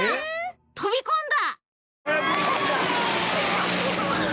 飛び込んだ！